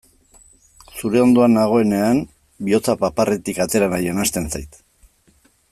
Zure ondoan nagoenean bihotza paparretik atera nahian hasten zait.